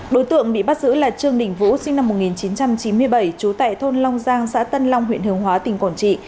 đối tượng bị bắt giữ là trương đình vũ sinh năm một nghìn chín trăm chín mươi bảy trú tại thôn long giang xã tân long huyện hướng hóa tỉnh quảng trị